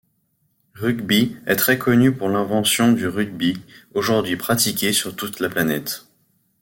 Rugby est très connue pour l'invention du rugby, aujourd'hui pratiqué sur toute la planète.